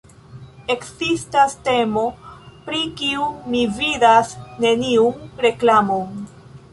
Ekzistas temo pri kiu mi vidas neniun reklamon: